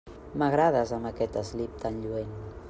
M'agrades amb aquest eslip tan lluent.